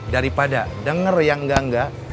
daripada denger yang enggak enggak